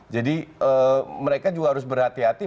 jadi mereka juga harus berhati hati